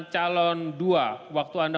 calon dua waktu anda